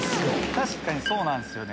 確かにそうなんすよね。